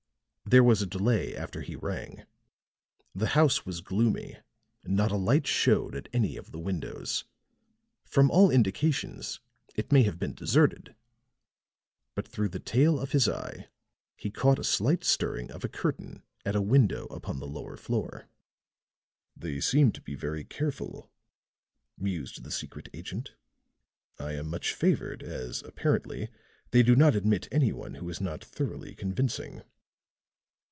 There was a delay after he rang; the house was gloomy; not a light showed at any of the windows; from all indications it may have been deserted. But through the tail of his eye he caught a slight stirring of a curtain at a window upon the lower floor. "They seem to be very careful," mused the secret agent. "I am much favored, as, apparently, they do not admit any one who is not thoroughly convincing."